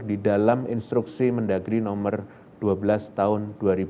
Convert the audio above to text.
di dalam instruksi mendagri nomor dua belas tahun dua ribu dua puluh